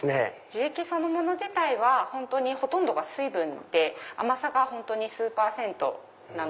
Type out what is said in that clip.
樹液そのもの自体は本当にほとんどが水分で甘さが数パーセントなので。